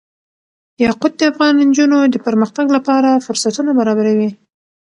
یاقوت د افغان نجونو د پرمختګ لپاره فرصتونه برابروي.